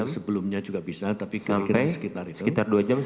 sebelumnya juga bisa tapi sekitar itu